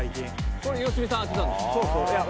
「これ良純さん当てたんですか？」